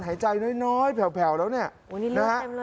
หายใจน้อยเผลอแล้วเนี่ย